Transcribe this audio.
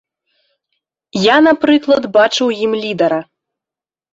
Я, напрыклад, бачу ў ім лідара.